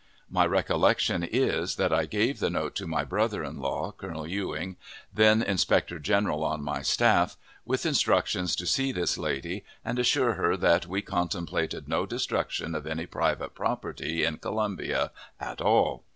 My recollection is, that I gave the note to my brother in law, Colonel Ewing, then inspector general on my staff, with instructions to see this lady, and assure her that we contemplated no destruction of any private property in Columbia at all.